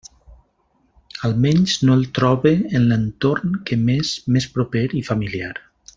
Almenys no el trobe en l'entorn que m'és més proper i familiar.